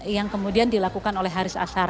yang kemudian dilakukan oleh haris asar